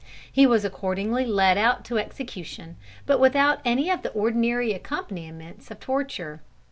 He was accordingly led out to execution, but without any of the ordinary accompaniments of torture.